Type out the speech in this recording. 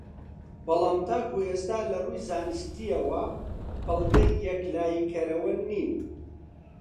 بەڵام تاکو ئێستا لەڕووی زانستییەوە بەڵگەی یەکلاییکەرەوە نین